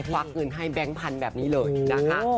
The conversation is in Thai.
วักเงินให้แบงค์พันธุ์แบบนี้เลยนะคะ